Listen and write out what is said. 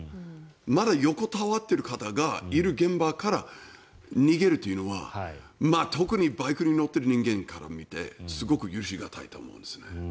まだ横たわっている方がいる現場から逃げるというのは特にバイクに乗っている人間から見てすごく許し難いと思うんです。